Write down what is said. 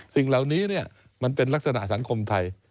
สิ่งเหล่านี้มันเป็นลักษณะสังคมไทย